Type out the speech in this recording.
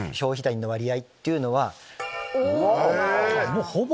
もうほぼ！